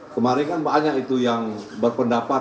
kemarin kan banyak itu yang berpendapat